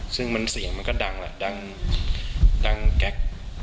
ซึ่งเสียงมันก็ดังครับดังแกล็ก